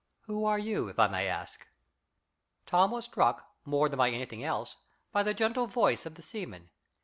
Who are you, if I may ask?" Tom was struck, more than by anything else, by the gentle voice of the seaman.